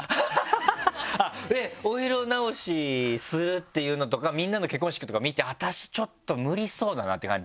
お色直しするっていうのとかみんなの結婚式とか見て「私ちょっと無理そうだな」って感じで？